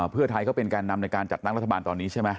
เพื่อไทยเขาเป็นแก่นำในการจัดตั้งรัฐบาลตอนนี้ใช่ไหม